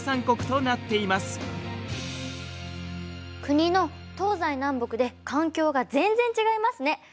国の東西南北で環境が全然違いますね！